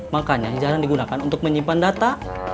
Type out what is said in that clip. makanya jarang digunakan untuk menyimpan data